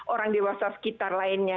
orang dewasa sekitar lainnya